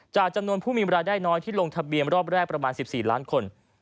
จำนวนผู้มีเวลาได้น้อยที่ลงทะเบียนรอบแรกประมาณ๑๔ล้านคน